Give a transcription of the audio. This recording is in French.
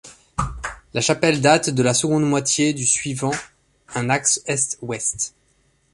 La chapelle date de la seconde moitié du suivant un axe est-ouest.